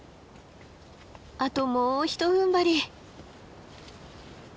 あともうひとふんばり。